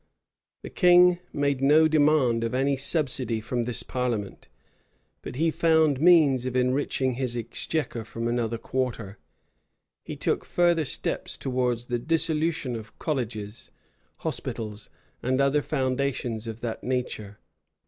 The king made no demand of any subsidy from this parliament; but he found means of enriching his exchequer from another quarter: he took further steps towards the dissolution of colleges, hospitals, and other foundations of that nature.